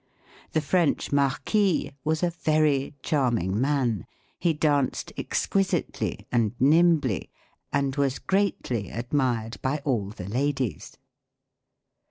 " The French Marquis was a very cliarm ing man ; he danced exquisitely and nimbly, and was greatly admired by all the ladies."